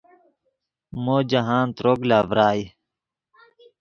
مو جاہند تروگ لا ڤرائے